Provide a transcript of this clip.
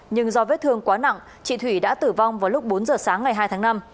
nhưng do vết thương quá nặng chị thủy đã tử vong vào lúc bốn giờ sáng ngày hai tháng năm